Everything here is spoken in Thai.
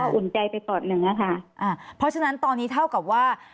อุ่นใจไปปอดหนึ่งอะค่ะอ่าเพราะฉะนั้นตอนนี้เท่ากับว่า